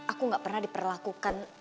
aku gak pernah diperlakukan